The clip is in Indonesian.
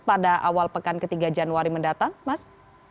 pada awal pekan ketiga januari mendatang mas